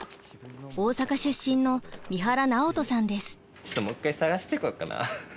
大阪出身のちょっともう一回探してこようかな。